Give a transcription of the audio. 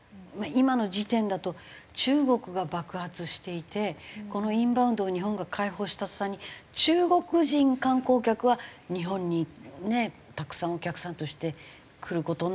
今の時点だと中国が爆発していてこのインバウンドを日本が開放した途端に中国人観光客は日本にねたくさんお客さんとして来る事になるのはちょっと。